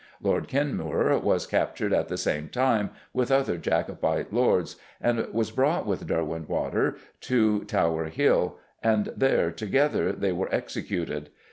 Lord Kenmure was captured at the same time, with other Jacobite Lords, and was brought, with Derwentwater, to Tower Hill, and there, together, they were executed.